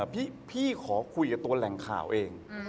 พี่ขอคุยกับตัวแหล่งข่าวเอง